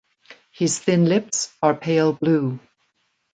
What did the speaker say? His thin lips are pale blue.